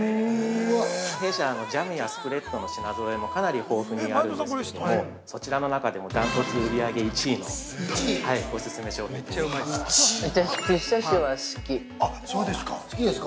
弊社、ジャムやスプレッドの品ぞろえもかなり豊富にあるんですけれどもそちらの中でも断トツ売り上げ１位のオススメ商品です。